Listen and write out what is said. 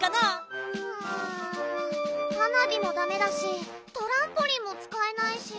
うん花火もダメだしトランポリンもつかえないし。